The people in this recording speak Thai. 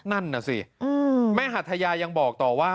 นั่นน่ะสิแม่หัทยายังบอกต่อว่า